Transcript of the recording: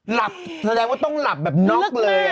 หลับแสดงว่าต้องหลับแบบน็อกเลย